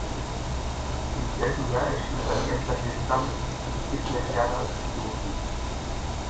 Im selben Jahr erschien sein erster Bildband "Es gibt mehr Sterne als Idioten".